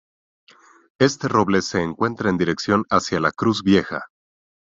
Este roble se encuentra en dirección hacia "la cruz vieja".